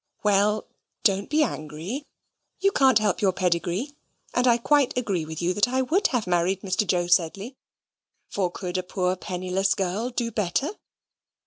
Well, don't be angry. You can't help your pedigree, and I quite agree with you that I would have married Mr. Joe Sedley; for could a poor penniless girl do better?